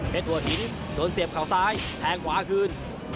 หัวหินโดนเสียบเขาซ้ายแทงขวาคืน